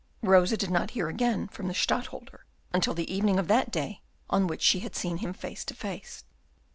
Rosa did not hear again from the Stadtholder until the evening of that day on which she had seen him face to face.